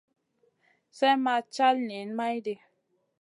Slèh ma cal niyn maydi.